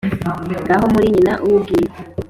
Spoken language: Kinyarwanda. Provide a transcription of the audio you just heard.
Ngaho muri nyina w’Ubwiru !